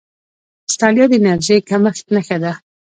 ستړیا د انرژۍ کمښت نښه ده